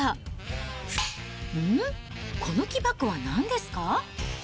この木箱はなんですか？